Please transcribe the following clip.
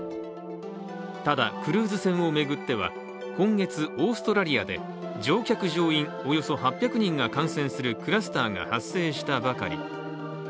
ただクルーズ船を巡っては今月オーストラリアで乗客・乗員およそ８００人が感染するクラスターが発生したばかり。